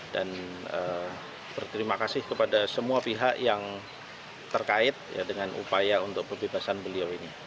dan berterima kasih kepada semua pihak yang terkait dengan upaya untuk pembebasan beliau ini